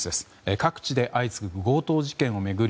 各地で相次ぐ強盗事件を巡り